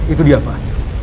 itu dia pak